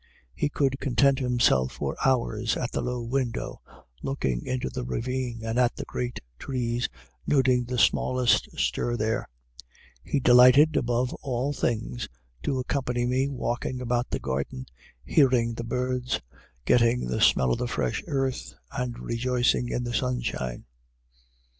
He could content himself for hours at a low window, looking into the ravine and at the great trees, noting the smallest stir there; he delighted, above all things, to accompany me walking about the garden, hearing the birds, getting the smell of the fresh earth, and rejoicing in the sunshine.